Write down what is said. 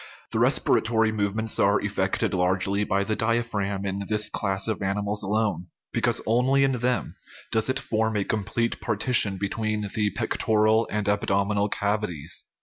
The respiratory movements are effected largely by the diaphragm in this class of animals alone, because only in them does it form a complete partition between the pectoral and abdominal cavities.